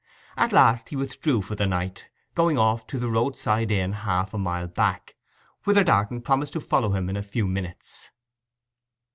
At last he withdrew for the night, going off to the roadside inn half a mile back, whither Darton promised to follow him in a few minutes.